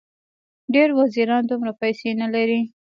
ډېر وزیران دومره پیسې نه لري.